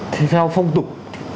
theo phong tục